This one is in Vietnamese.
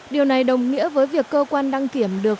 điều này đồng nghĩa với việc cơ quan đăng kiểm được